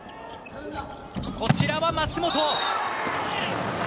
こちらは舛本。